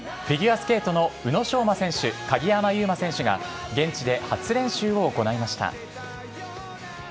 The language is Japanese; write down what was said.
フィギュアスケートの宇野昌磨選手、鍵山優真選手が現地で初練習を行いました。